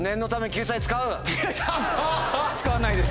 いや使わないです。